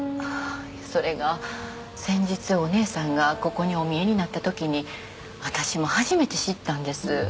それが先日お姉さんがここにおみえになったときに私も初めて知ったんです。